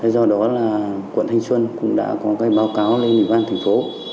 do đó là quận thanh xuân cũng đã có báo cáo lên ủy ban thành phố